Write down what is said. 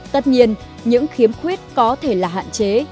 tất nhiên những khiếm khuyết có thể là hạn chế